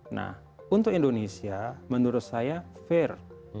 nah untuk indonesia menurut saya fair